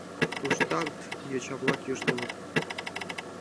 Туштак йоча-влак йӱштылыт.